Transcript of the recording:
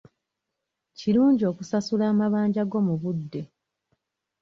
Kirungi okusasula amabanja go mu budde.